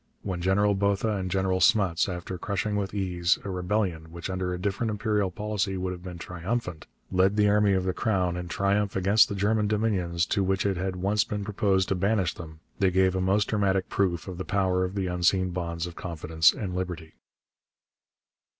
When General Botha and General Smuts, after crushing with ease a rebellion which under a different imperial policy would have been triumphant, led the army of the Crown in triumph against the German dominions to which it had once been proposed to banish them, they gave a most dramatic proof of the power of the unseen bonds of confidence and liberty.